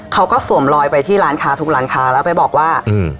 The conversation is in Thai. สวมลอยไปที่ร้านค้าทุกร้านค้าแล้วไปบอกว่าอืม